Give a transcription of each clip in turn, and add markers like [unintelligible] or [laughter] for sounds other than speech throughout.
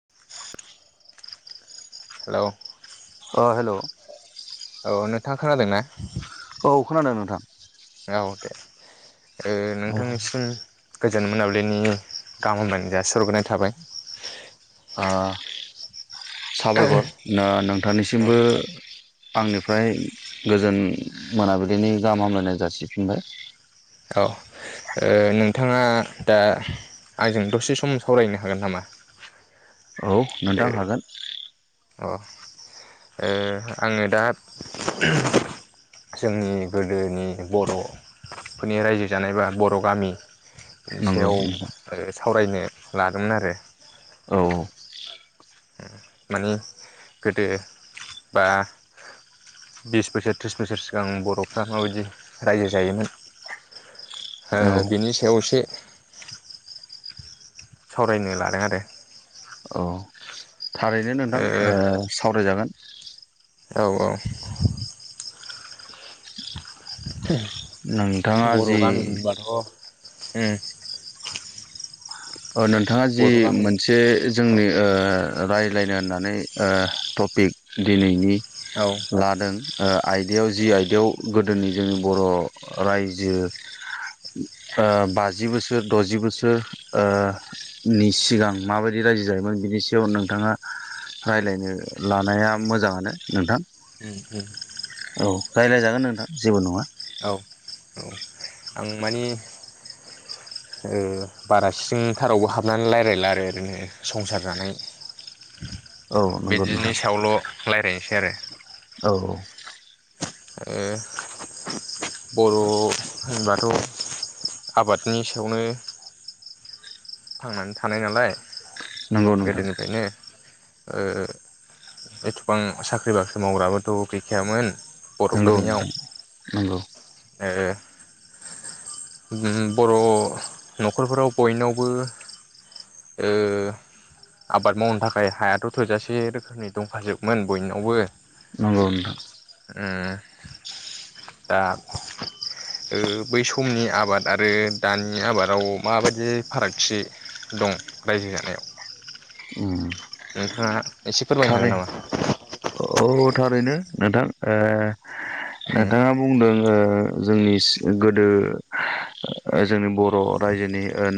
[inaudible] Hello अ हेल' औ नोंथाङा खोनादों ना? औ खोनादों नोंथां। गावथ [inaudible] ओ नोंथांनिसिम गोजोन मोनाबलिनि गाहाम हामलायनाय जासि हरग्रोनाय थाबाय। ओ साबायखर नों औ थानैसिमबो। आंनिफ्राय गोजोन मोनाबिलिनि गाहाम हामलायनाय जारसिफिनबाय। औ नोंथाङा दा आंजों दसे सम सावरायनो हागोन नामा? औ नोंथां हागोन। अ आङो दा जोंनि गोदोनि बर'फोरनि रायजो जानाय बा बर' गामि नंगौ सायाव नोंथां सावरायनो लादोंमोन आरो औ औ। माने गोदो बा बिस बोसोर थ्रिस बोसोर सिगां बर'फ्रा माबायदि रायजो जायोमोन। औ बिनि सायाव एसे सावरायनो लादों आरो। औ थारैनो नोंथां ओ सावरायजागोन। औ औ। नोंथाङा जि ओम नोंथाङा जि गामि मोनसे औ जोंनि ओ। रायज्लायनो होननानै ओ टपिक दिनैनि। औ लादों ओ आयदायाव जि औ आयदायाव गोदोनि जोंनि बर' रायजो फ्रा बाजि बोसोर दजि बोसोर। ओ नि सिगां माबायदि रायजो जायोमोन बिनि सायाव नोंथाङा रायलायनो लानाया मोजाङानो नोंथां उम उम औ रायलायजागोन नोंथां जेबो नङा। औ आं मानि ओ बारा सिंथारावबो हाबनानै लायरायला आरो ओरैनो संसार जानाय। औ नंगौ नोंथां बिदिनि सायावल' लाय। [unintelligible] आरो औ। बर' होनबाथ' आबादनि सायावनो। थांनानै थानाय नालाय। नंगौ नोंथां गोदोनिफ्राय नो ओ एथबां साख्रि बाख्रि मावग्राबोथ' गैखायामोन नंगौ बर'फोरनियाव नोंथां नंगौ ओ बर' न'खरफोराव बयनावबो ओ आबाद मावनो थाखाय हायाथ' थोजासे रोखोमनि दंखाजोबमोन बयनावबो नंगौ नोथा दा ओ बै समनि आबाद आरो दानि आबादाव माबायदि फारागथि दं रायजो जानायाव ओम नोंथाङा एसे फोरमायनो हागोन नामा अ थारैनो नोंथां ओ नोंथाङा बुंदों ओ जोंनि गोदो जोंनि बर' रायजोनि ओ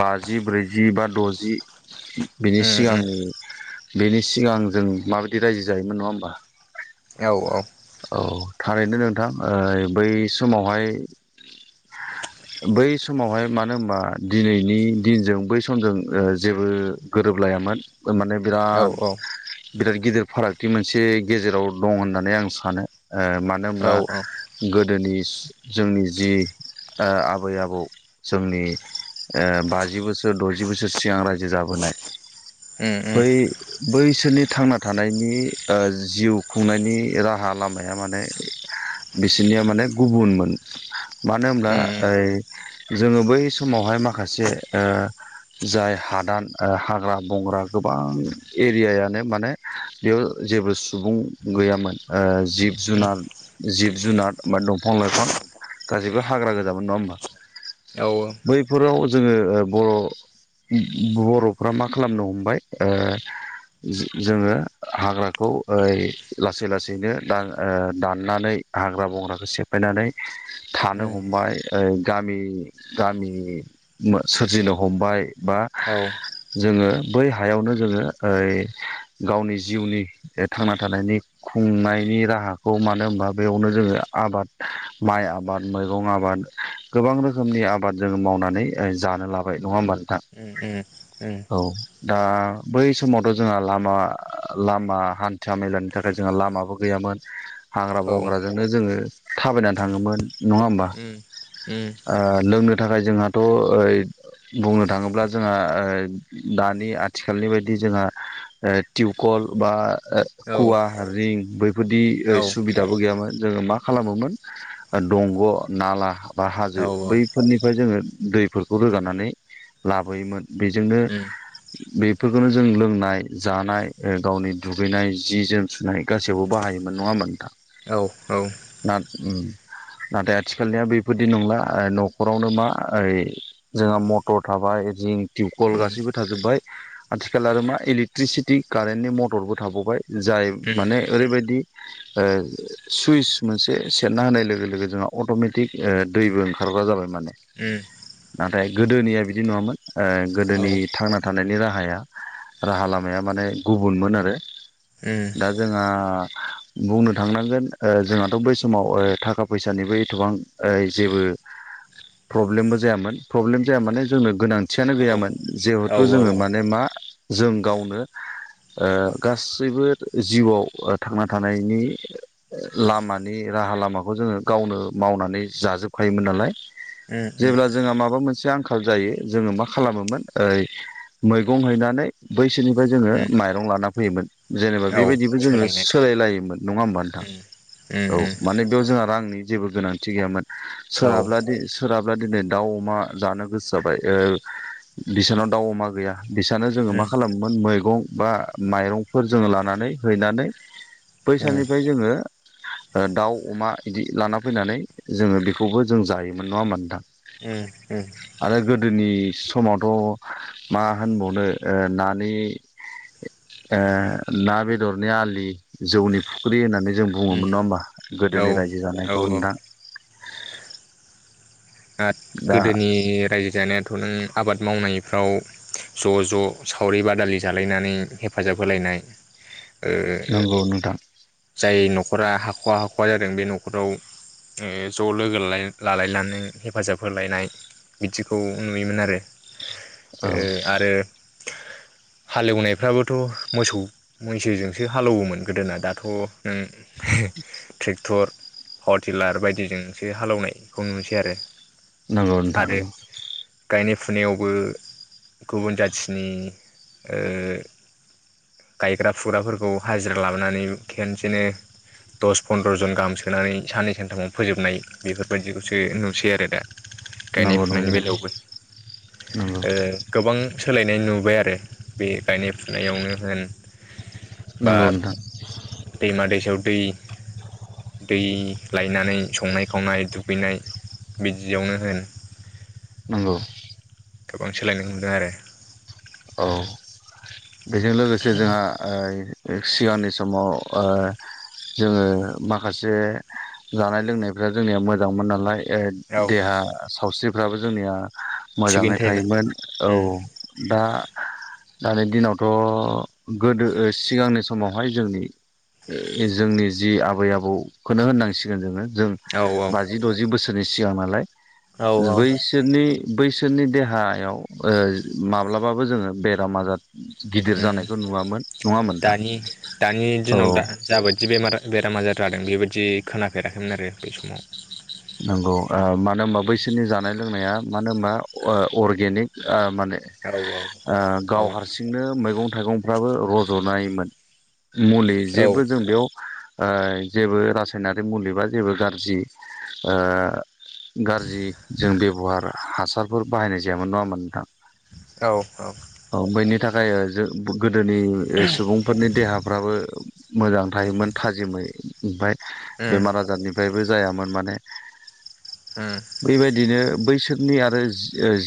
बाजि ब्रैजि बा द'जि बेनि उम सिगां उम बेनि सिगां जों माबायदि रायजो जायोमोन नङा होमबा औ औ औ थारैनो नोंथां ओ बै समावहाय बै समावहाय मानो होनबा दिनैनि दिनजों बै समजों ओ जेबो गोरोबलायामोन माने औ बिराद बिराद गिदिर फारागथि मोनसे गेजेराव दं होननानै आं सानो ओ मानो औ होनब्ला गोदोनि जोंनि जि ओ आबै आबौ जोंनि ओ बाजि बोसोर द'जि बोसोर सिगां रायजो जाबोनाय उम बै बैसोरनि थांना थानायनि ओ जिउ खुंनायनि राहा लामाया माने बिसोरनिया माने गुबुनमोन मानो होनब्ला उम ओइ जोङो बै समावहाय माखासे ओ जाय हादान हाग्रा बंग्रा गोबां एरियायानो माने बेयाव जेबो सुबुं गैयामोन ओ जिब उम जुनार जिब जुनार ब दंफां लाइफां गाैबो हाग्रा गो नङा हा औ उम औ बैफोराव जोङो बर' बर'फ्रा मा खालामनो हमबाय ओ जोङो हाग्राखौ ओ लासै लासैनो ओ दाननानै हाग्रा बंग्राखौ सेफायनानै उम थानो हमबाय ओ गामि गामि सोरजिनो हमबाय बा जोङो बै हायावनो जोङो ओइ गावनि जिउनि थांना थानायनि खुंनायनि राहाखौ मानो होनबा बेयावनो जोङो आबाद माइ आबाद मैगं आबाद गोबां रोखोमनि आबाद जोङो मावनानै जानो लाबाय नङा होमबा नोंथां उम औ दा बै समावथ' जोंहा लामा लामा हान्था मेलानि थाखाय जोंहा लामाबो गैयामोन हाग्रा उम बंग्राजोंनो जोङो थाबायनानै थाङोमोन नङा होमबा उम ओ लोंनो थाखाय जोंहाथ' ओइ बुंनो थाङोब्ला जोंहा दानि आथिखालनि बायदि जोंहा टिउकल बा औ कुवा रिं बैफोरदि औ औ उम औ औ सुबिदाबो गैयामोन जोङो मा खालामोमोन दंग' नाला बा हाजो उम बैफोरनिफ्राय जोङो दैफोरखौ रोगानानै लाबोयोमोन बेजोंनो बेफोरखौनो जों लोंनाय जानाय गावनि दुगैनाय जि जोम सुनाय गासैयावबो बाहायोमोन नङा होनबा नोंथां ना नाथाय आथिखालनिया बे बेबायदि नंला न'खरावनो मा ओइ जोंहा मटर थाबाय रिं टिवकल गासैबो थाजोबबाय आथिखाल आरो मा इलेकट्रिसिटि कारेन्टनि मटरबो थाबावबाय जाय माने ओरैबायदि ओ सुइस मोनसे सेरना होनाय लोगो लोगो जोंहा अट'मेटिक ओ दैबो ओंखारग्रा जाबाय माने उम नाथाय गोदोनिया बिदि नङामोन गोदोनि थांना थानायनि राहाया राहा लामाया माने गुबुनमोन आरो दा जोंहा बुंनो थांनांगोन जोंहाथ' बै समाव थाखा फैसानिबो एथबां ओइ जेबो प्रब्लेमबो जायामोन प्रब्लेम जाया माने जोंनो गोनांथियानो औ उम औ गैयामोन औ जिहेथु जोङो उम माने मा जों गावनो ओ गासैबो जिउआव थांना थानायनि लामानि राहा लामाखौ जोङो गावनो मावनानै जाजोबखायोमोन नालाय उम जेब्ला जोंहा माबा मोनसे आंखाल जायो जोङो मा खालामोमोन ओइ मैगं हैनानै बैसोनिफ्राय जोङो उम माइरं लाना फैयोमोन जेनेबा औ बेबायदिबो जोङो सोलायनाय सोलायलायोमोन नङा होमबा नोंथां उम उम औ उम माने बेयाव जोंहा रांनि जेबो गोनांथि गैयामोन औ सोरहाब्ला उम दि सोरहाब्ला दिनै दाउ अमा जानो गोसो जाबाय ओ बिसोनाव दाउ अमा गैया बिसानो जोङो मा खालामोमोन मैगं बा माइरंफोर जोङो लानानै हैनानै उम बैसानिफ्राय जोङो दाउ अमा बिदि लाना फैनानै जोङो बेखौबो जों जायोमोन नङा होमबा नोंथां उम उम आरो गोदोनि समावथ' मा होनबावनो ओ नानि ओ ना बेदरनि आलि जौनि फुख्रि होननानै जों उम बुङोमोन नङा हा औ गोदोनि रायजो जानायखौ औ नोंथां दा गोदोनि रायजो जानायाथ'नो आबाद मावनायफ्राव ज' ज' सावरि बादालि जालायनानै हेफाजाब होलायनाय ओ नंगौ नोंथां जाय न'खरा हाख ख' हाख'वा जादों बे न'खराव ज' लोगो ला लायनानै हेफाजाब होलायनाय बिदिखौ नुयोमोन आरो औ ओ आरो हालेवनायफ्राबोथ' मोसौ मैसोजोंसो हालौवोमोन गोदोना दाथ' नों ट्रेक्टर पावार टिलार बायदिजोंसो हालेवनायखौ नुनोसै आरो नांगौ नोंथां आरो नंगौ गायनाय फुनायावबो गुबुन जाथिनि ओ गायग्रा फुग्राफोरखौ हाजिरा लाबोनानै खेनसेनो दस फन्द्र'जन गाहाम सोनानै साननै सानथामाव फोजोबनाय बेफोर बायदिखौसो नुसै आरो दा। गायनाय नंगौ फुनायनि नंगौ नंगौ बेलायावबो नंगौ ओ गोबां सोलायनाय नुबाय दो बे गायनाय फुनायावनो होन बा नंगौ नोंथां दैमा दैसायाव दै दै लायनानै संनाय खावनाय दुगैनाय बि दियावनो होन नंगौ गोबां सोलायनो नुदों आरो औ बेजों लोगोसे जोंहा ओ सिगांनि समाव ओ जोङो माखासे जानाय लोंनायफ्रा जोंनिया मोजांमोन नालाय ओ औ देहा सावस्रि फोराबो जोंनिया मोजाङै थायोमोन औ उम दा दानि दिनावथ' गोदो सिगांनि समावहाय जोंनि ओ जोंनि जि आबै आबौखौनो होननांसिगोन जोङो जों औ बाजि द'जि बो सोरनि सिगां नालाय। औ ज औ बैसोरनि बैसोरनि देहायाव ओ माब्ला बाबो जोङो बेराम आजार उम जानायखौ नुवामोन नङामोन दा नोंथां दानि औ दिनाव दा जाबायदि बेमार बेराम आजार जादों बेबायदि खोनाफेराखैमोन आरो बै समाव नंगौ ओ मानो होनबा बैसोरनि जानाय लोंनाया मानो होनबा अ अर्गेनिक ओ माने औ ओ गाव औ हारसिंनो मैगं थाइगंफ्राबो रज'नायमोन मुलि औ जेबो जों बेयाव ओ जेबो रासायनारि मुलि बा जेबो गाज्रि ओ गाज्रि जों बेब'हार हासारफोर बाहायनाय जायामोन नङामोन नोंथां औ औ औ बैनि थाखाय जो गोदोनि सुबुंफोरनि देहाफ्राबो मोजां थायोमोन थाजिमै ओमफाय उम बेमार आजारनिफ्रायबो जायामोन माने उम बेबायदिनो बैस सोरनि आरो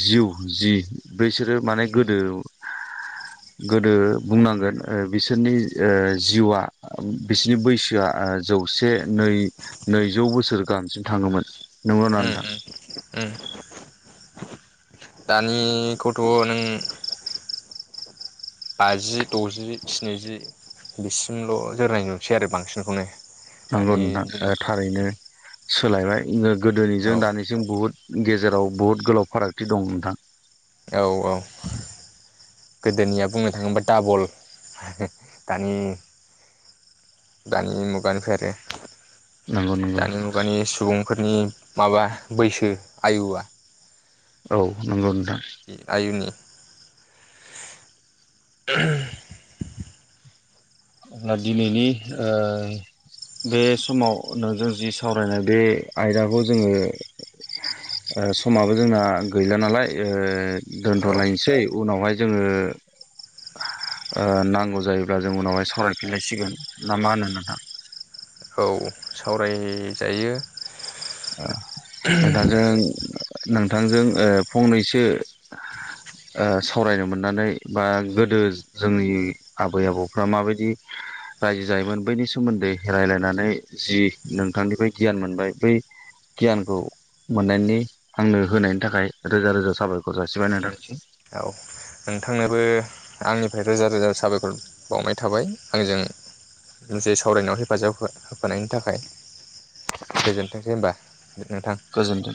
जिउ जि बैसोरो माने गोदो गोदो बुंनांगोन बिसोरनि ओ जिउआ बिसोरनि बैसोआ ओ जौसे नै नैजौ बोसोर गाहामसिम थाङोमोन नंगौ ना उम नोंथां उम उम दानि कथ' नों बाजि द'जि स्निजि बिसिमल' जोरनाय नुसै आरो बांसिनखौनो नोंगौ दानि नोंथां दिनावथ' थारैनो सोलायबाय औ गोदोनिजों दानिजों बुहुद गेजेराव बहुत गोलाव फारागथि दं नोंथां औ औ गोदोनिया बुंनो थाङोबोबा डाबल दानि दानि मुगानिफ्राय आरो नंगौ नंगौ दानि मुगानि सुबुंफोरनि माबा बैसो आयुआ औ नंगौ नोंथां आयनि [inaudible] दा दिनैनि ओ बे समाव नोंजों जि सावरायनाय बे आयदाखौ जोङो समाबो जोंना गैला नालाय ओ औ दोनथ'लायनोसै उनावहाय जोङो ओ नांगौ जायोब्ला जों उनावहाय सावरायफिनलायसिगोन ना मा होनो नोंहा औ सावरायजायो नोंथां जों नोंथांजों ओ फंनैसो ओ सावरायनो मोननानै बा गोदो जोंनि आबै आबौफ्रा माबायदि रायजो जायोमोन बैनि सोमोन्दै रायजलायनानै जि नोंथांनिफ्राय गियान मोनबाय बै गियानखौ मोननायनि आंनो होनायनि थाखाय रोजा रोजा साबायखर जासिबाय नोंथांसि औ नोंथांनोबो आंनिफ्राय रोजा रोजा साबायखर बावनाय थाबाय आंजों मोनसे सावरायनायाव हेफाजाब होफानायनि थाखाय गोजोनथोंसै होनबा नोंथां गोजोन्थों